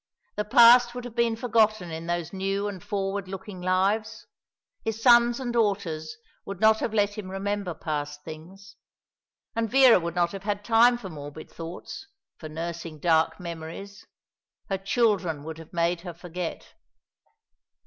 The past would have been forgotten in those new and forward looking lives. His sons and daughters would not have let him remember past things. And Vera would not have had time for morbid thoughts, for nursing dark memories. Her children would have made her forget.